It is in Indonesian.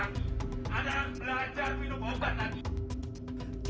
ada belajar minum obat lagi